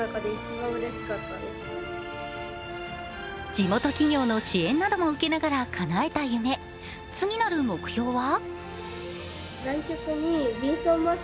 地元企業の支援なども受けながらかなえた夢次なる目標は？